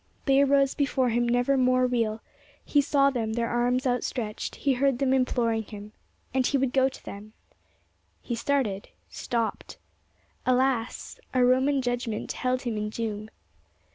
They arose before him never more real: he saw them, their arms outstretched; he heard them imploring him. And he would go to them. He started—stopped. Alas! a Roman judgment held him in doom.